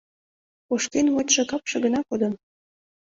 Кошкен вочшо капше гына кодын.